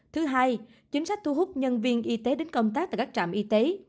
thứ hai chính sách thu hút nhân viên y tế đến công tác tại các trạm y tế